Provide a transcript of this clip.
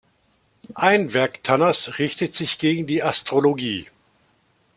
Ein Werk Tanners richtet sich gegen die Astrologie.